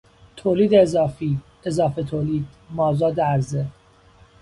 تولید اضافی، اضافه تولید، مازاد عرضه